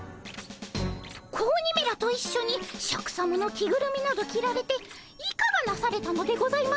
子鬼めらと一緒にシャクさまの着ぐるみなど着られていかがなされたのでございますか？